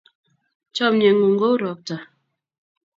Chomye ng'ung' kou ropta.